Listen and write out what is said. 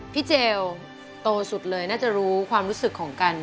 เจลโตสุดเลยน่าจะรู้ความรู้สึกของกัน